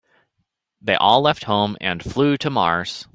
They all left home and flew to Mars.